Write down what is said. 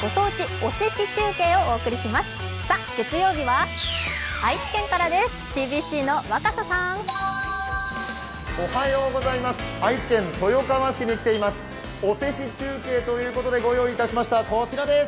おせち中継ということでご用意しました、こちらです。